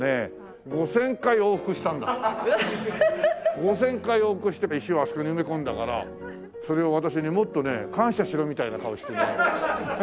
５０００回往復して石をあそこに埋め込んだからそれを私にもっとね感謝しろみたいな顔してね。